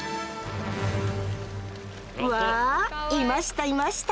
わあいましたいました！